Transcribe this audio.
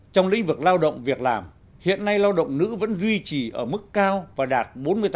trong lĩnh vực lao động việc làm hiện nay lao động nữ vẫn duy trì ở mức cao và đạt bốn mươi tám